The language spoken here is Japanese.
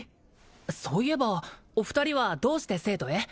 そういえばお二人はどうして聖都へ？